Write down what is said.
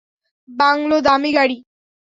Bungalow, দামী গাড়ি।